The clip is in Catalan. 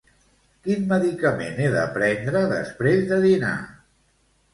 Quin medicament he de prendre després de dinar?